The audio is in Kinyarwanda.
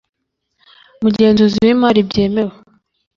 Mugenzuzi w imari byemewe